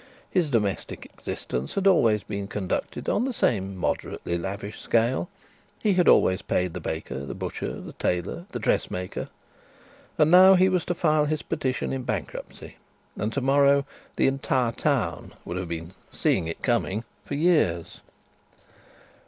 His domestic existence had always been conducted on the same moderately lavish scale. He had always paid the baker, the butcher, the tailor, the dressmaker. And now he was to file his petition in bankruptcy, and to morrow the entire town would have "been seeing it coming" for years.